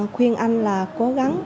khuyên anh là cố gắng